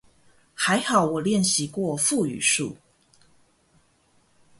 還好我練習過腹語術